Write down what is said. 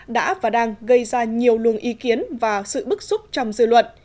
đã và đang gây ra nhiều luồng ý kiến và sự bức xúc trong dư luận